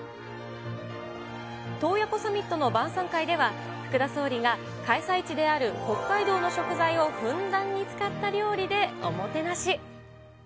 洞爺湖サミットの晩さん会では、福田総理が開催地である北海道の食材をふんだんに使った料理でおもてなし。